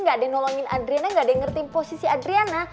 gak ada yang nolongin adrina gak ada yang ngerti posisi adriana